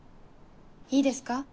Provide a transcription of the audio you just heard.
いいですか？